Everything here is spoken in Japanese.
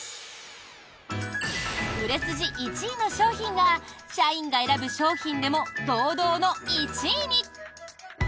売れ筋１位の商品が社員が選ぶ商品でも堂々の１位に！